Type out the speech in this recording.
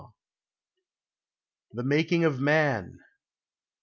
THE MAKING OF MAN.